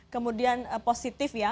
kemudian positif ya